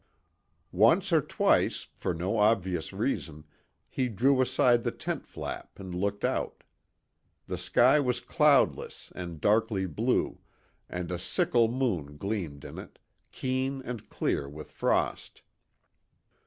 Once or twice, for no obvious reason, he drew aside the tent flap and looked out. The sky was cloudless and darkly blue, and a sickle moon gleamed in it, keen and clear with frost.